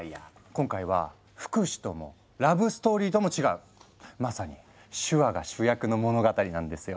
今回は福祉ともラブストーリーとも違うまさに手話が主役の物語なんですよ。